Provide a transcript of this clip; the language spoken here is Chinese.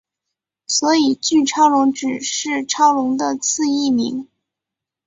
所以巨超龙只是超龙的次异名。